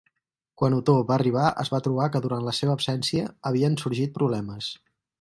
Quan Otó va arribar es va trobar que durant la seva absència havien sorgit problemes.